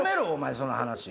その話。